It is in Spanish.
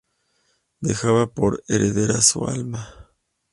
Dejaba por heredera a su alma.